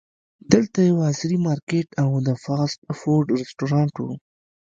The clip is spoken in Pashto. دلته یو عصري مارکیټ او د فاسټ فوډ رسټورانټ و.